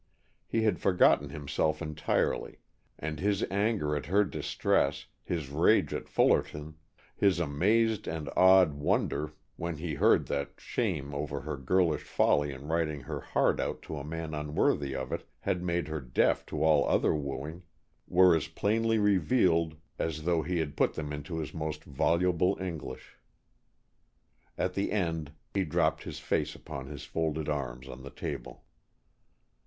He had forgotten himself entirely, and his anger at her distress, his rage at Fullerton, his amazed and awed wonder when he heard that shame over her girlish folly in writing her heart out to a man unworthy of it had made her deaf to all other wooing, were as plainly revealed as though he had put them into his most voluble English. At the end he dropped his face upon his folded arms on the table.